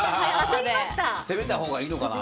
攻めたほうがいいのかな。